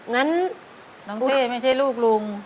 งั้นน้องเต้ไม่ใช่ลูกลุง